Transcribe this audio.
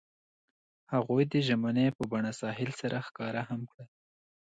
هغوی د ژمنې په بڼه ساحل سره ښکاره هم کړه.